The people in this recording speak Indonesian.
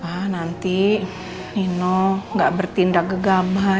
ah nanti nino gak bertindak gegabah